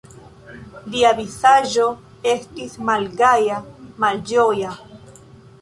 Lia vizaĝo estis malgaja, malĝoja.